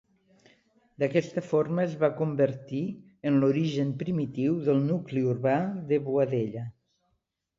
D'aquesta forma es va convertir en l'origen primitiu del nucli urbà de Boadella.